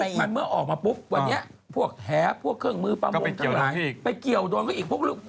แล้วก็ลูกมันเมื่อออกมาปุ๊บวันนี้พวกแฮพพวกเครื่องมือป้ามมุ้งก็ไปเกี่ยวโดนกับอีกพวกลูก